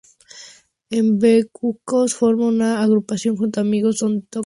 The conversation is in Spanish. En Bejucos forma una agrupación junto amigos donde tocan en eventos del lugar.